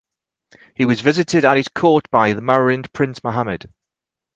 He was visited at his court by the Marinid prince Mohammed.